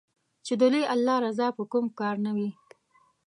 چې د لوی الله رضا په کوم کار نــــــــه وي